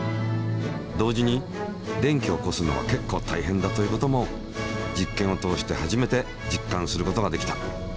同時に電気を起こすのはけっこうたいへんだということも実験を通して初めて実感することができた。